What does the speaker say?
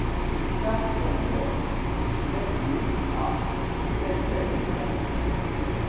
Lukas Spengler naît le à Thayngen en Suisse.